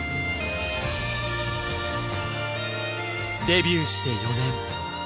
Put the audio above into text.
デビューして４年。